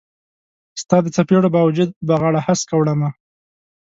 ستا د څیپړو با وجود به غاړه هسکه وړمه